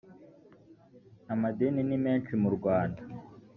amadini nimeshi mu rwanda.